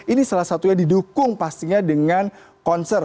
ini salah satunya didukung pastinya dengan konser